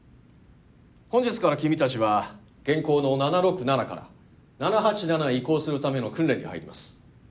本日から君たちは現行の７６７から７８７へ移行するための訓練に入ります。